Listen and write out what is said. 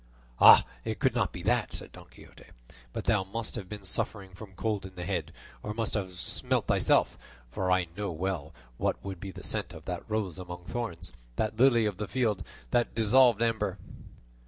"It could not be that," said Don Quixote, "but thou must have been suffering from cold in the head, or must have smelt thyself; for I know well what would be the scent of that rose among thorns, that lily of the field, that dissolved amber."